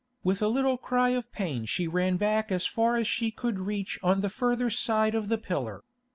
With a little cry of pain she ran back as far as she could reach on the further side of the pillar.